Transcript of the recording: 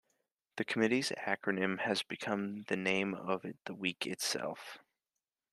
The committee's acronym has become the name of the week itself.